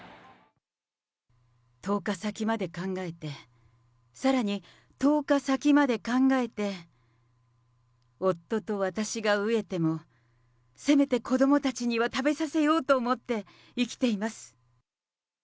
１０日先まで考えて、さらに１０日先まで考えて、夫と私が飢えても、せめて子どもたちには食べさせようと思って生きています。